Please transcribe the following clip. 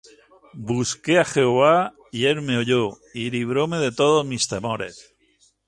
Busqué á Jehová, y él me oyó, Y libróme de todos mis temores.